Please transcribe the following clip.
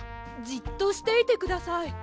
じっとしていてください。